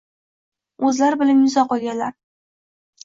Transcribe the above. Oʻzlari bilib imzo qoʻyganlar.